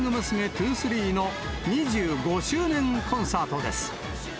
２３の２５周年コンサートです。